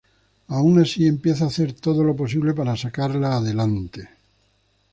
Aun así empieza a hacer todo lo posible para sacarla adelante.